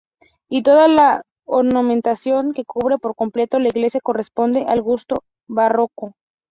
Y toda la ornamentación que cubre por completo la iglesia corresponde al gusto barroco.